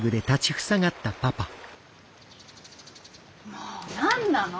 もう何なの！？